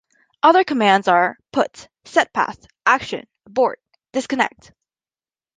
Other commands are: put, setpath, action, abort, disconnect.